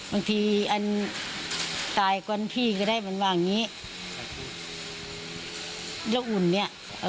บางทีอันตายกว้างพี่ก็ได้เหมือนว่างนี้แล้วอุ่นเนี้ยเออ